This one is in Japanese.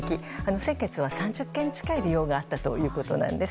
先月は、３０件近い利用があったということなんです。